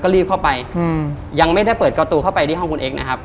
รีบเข้าไปอืมยังไม่ได้เปิดประตูเข้าไปที่ห้องคุณเอ็กซนะครับ